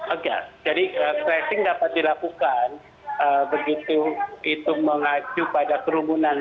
enggak jadi tracing dapat dilakukan begitu itu mengacu pada kerumunan